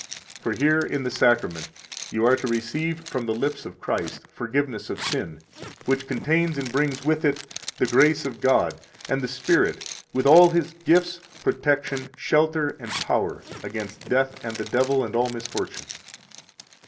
For here in the Sacrament you are to receive from the lips of Christ forgiveness of sin, which contains and brings with it the grace of God and the Spirit with all His gifts, protection, shelter, and power against death and the devil and all misfortune.